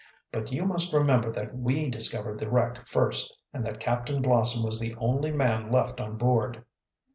But you must remember that we discovered the wreck first, and that Captain Blossom was the only man left on board."